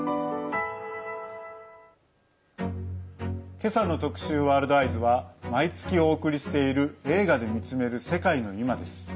今朝の特集「ワールドＥＹＥＳ」は毎月お送りしている「映画で見つめる世界のいま」。